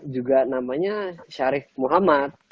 juga namanya syarif muhammad